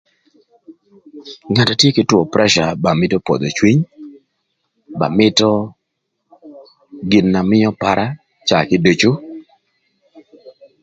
Ngat na tye kï two preca ba mïtö podho cwiny ba mïtö gin na mïö para caa kiducu.